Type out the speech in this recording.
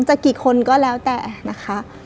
กี่คนก็แล้วแต่นะคะ